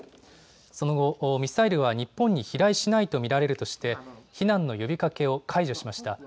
その後、ミサイルは日本に飛来しないと見られるとして避難の呼びかけを解除しました。